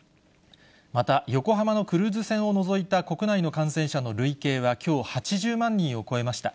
また、横浜のクルーズ船を除いた国内の感染者の累計はきょう８０万人を超えました。